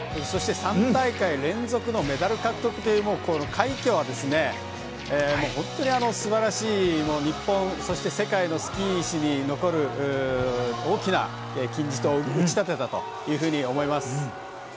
そして３大会連続のメダル獲得というこの快挙は本当に素晴らしい日本、そして世界のスキー史に残る大きな金字塔を打ち立てたと思います。